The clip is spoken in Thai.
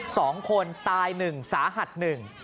สองคนตายหนึ่งสาหัสหนึ่ง